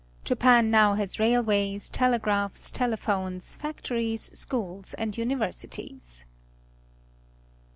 Japan now has railways, telegraphs, telephones, factories, schools, and universities.